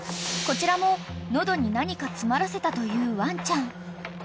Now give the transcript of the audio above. ［こちらも喉に何か詰まらせたというワンちゃん］